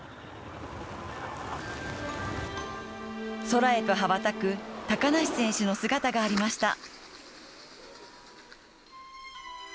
空へと羽ばたく高梨選手の姿がありました。